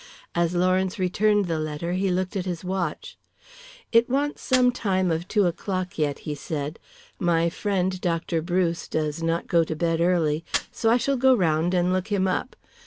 As Lawrence returned the letter he looked at his watch. "It wants some time of two o'clock yet," he said. "My friend, Dr. Bruce, does not go to bed early, so I shall go round and look him up.